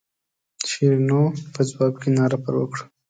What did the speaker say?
شیرینو په ځواب کې ناره پر وکړه.